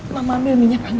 mama ambil minyak panin ya